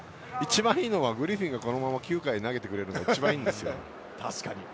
一番いいのはグリフィンがこのまま９回投げてくれることが一番いいんですよ。